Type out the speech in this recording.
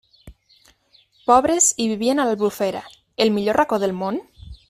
Pobres i vivien a l'Albufera, el millor racó del món?